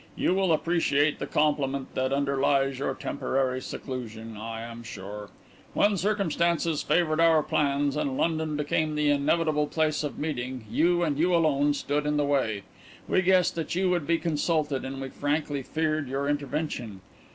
You will appreciate the compliment that underlies your temporary seclusion, I am sure. When circumstances favoured our plans and London became the inevitable place of meeting, you and you alone stood in the way. We guessed that you would be consulted and we frankly feared your intervention.